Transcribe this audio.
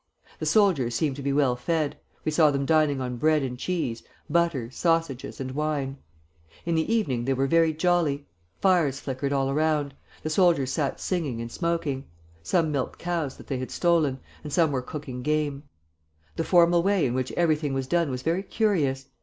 The soldiers seemed to be well fed; we saw them dining on bread and cheese, butter, sausages, and wine. In the evening they were very jolly. Fires flickered all around; the soldiers sat singing and smoking. Some milked cows that they had stolen, and some were cooking game. The formal way in which everything was done was very curious.